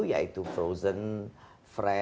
jadi kita sih mengarahkan kepada higher value